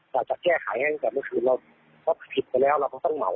ขายให้ดังแต่เมื่อคืนเราถ้าพิษไปแล้วเราต้องเหมา